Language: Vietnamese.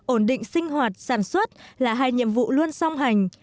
ổn định sinh hoạt sản xuất là hai nhiệm vụ luôn song hành